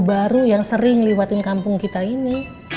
baru yang sering lewatin kampung kita ini